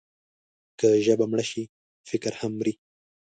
که ژبه مړه شي، فکر هم مري.